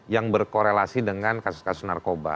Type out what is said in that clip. yang berkorelasi dengan kasus kasus narkoba